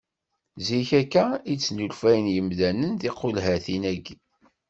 Ziɣ akka i d-snulfuyen yimdanen tiqulhatin-aki.